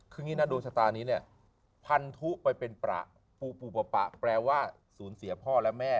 คืองี้นะดวงชะตานี้เนี่ยพันธุไปเป็นประปูปูปะแปลว่าสูญเสียพ่อและแม่